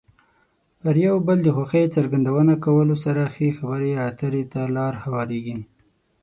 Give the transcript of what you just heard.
پر یو بل د خوښۍ څرګندونه کولو سره ښې خبرې اترې ته لار هوارېږي.